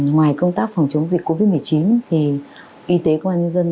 ngoài công tác phòng chống dịch covid một mươi chín thì y tế công an nhân dân